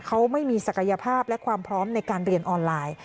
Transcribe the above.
เขาไม่มีศักยภาพและความพร้อมในการเรียนออนไลน์